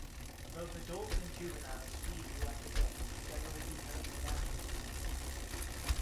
Both adults and juveniles feed throughout the day, generally becoming inactive at night.